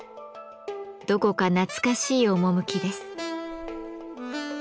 どこか懐かしい趣です。